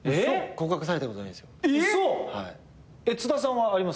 告白されたこと？ないない。